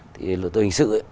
thì luật tội hình sự